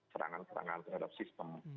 serangan serangan terhadap sistem